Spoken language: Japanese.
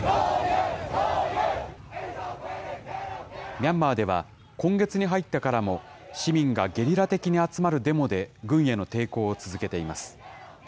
ミャンマーでは、今月に入ってからも、市民がゲリラ的に集まるデモで、軍への抵抗を続けています。